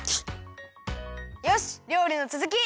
よしりょうりのつづき！